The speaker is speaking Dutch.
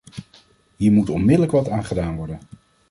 Hier moet onmiddellijk wat aan gedaan worden.